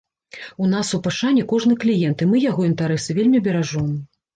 У нас у пашане кожны кліент і мы яго інтарэсы вельмі беражом.